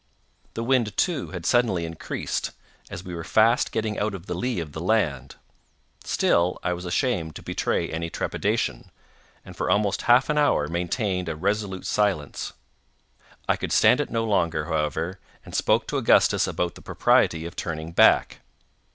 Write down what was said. The wind, too, had suddenly increased, as we were fast getting out of the lee of the land—still I was ashamed to betray any trepidation, and for almost half an hour maintained a resolute silence. I could stand it no longer, however, and spoke to Augustus about the propriety of turning back.